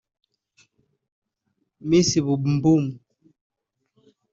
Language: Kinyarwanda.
Miss Bumbum